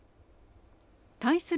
対する